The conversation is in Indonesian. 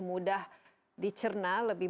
mudah dicerna lebih